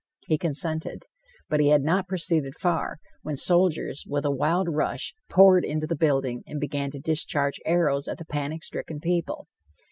He consented. But he had not proceeded far when soldiers, with a wild rush, poured into the building and began to discharge arrows at the panic stricken people.